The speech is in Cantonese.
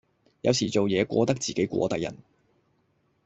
有時做野過得自己過得人